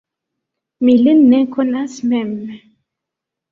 Mi lin ne konas mem!